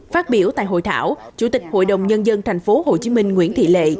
phát biểu tại hội thảo chủ tịch hội đồng nhân dân thành phố hồ chí minh nguyễn thị lệ